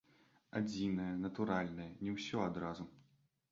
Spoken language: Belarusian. Адзінае, натуральна, не ўсё адразу.